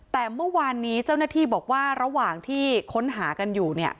แต่เมื่อวานนี้เจ้าหน้าที่บอกว่าระหว่างที่ค้นหากันอยู่